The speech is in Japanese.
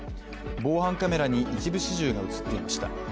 防犯カメラに一部始終が映っていました。